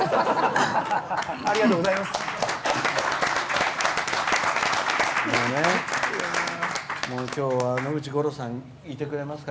ありがとうございます。